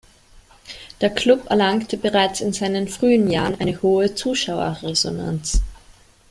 Der Club erlangte bereits in seinen frühen Jahren eine hohe Zuschauerresonanz.